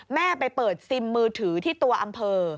แม่ไปเปิดซิมมือถือที่ตัวอำเภอ